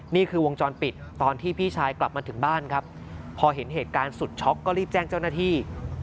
นี่คือวงจรปิดตอนที่พี่ชายกลับมาถึงบ้านครับพอเห็นเหตุการณ์สุดช็อกก็รีบแจ้งเจ้าหน้าที่